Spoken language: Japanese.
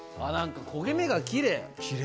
あっなんか焦げ目がきれい。